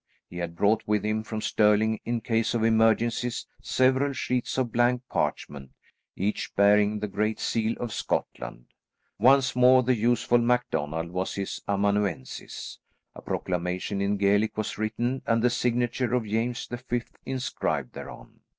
He had brought with him from Stirling, in case of emergencies, several sheets of blank parchment, each bearing the Great Seal of Scotland. Once more the useful MacDonald was his amanuensis. A proclamation in Gaelic was written and the signature of James the Fifth inscribed thereon.